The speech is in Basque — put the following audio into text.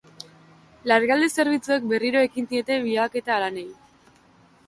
Larrialdi zerbitzuek berriro ekin diete bilaketa lanei.